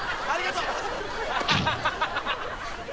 ありがとう！